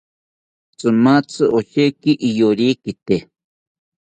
Tzimatzi osheki iyorikite